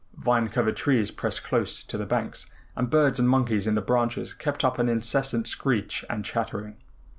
Vine covered trees pressed close to the banks, and birds and monkeys in the branches kept up an incessant screech and chattering.